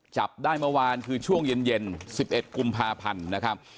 จับได้เมื่อวานคือช่วงเย็น๑๑กุมภาพันธ์นะครับ